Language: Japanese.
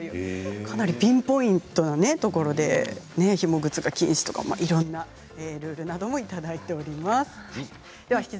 かなりピンポイントなところでひも靴禁止とかいろんなルールなどもいただいております。